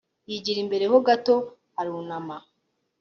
Yigira imbere ho hato arunama